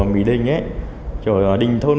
mỹ đình chỗ đình thôn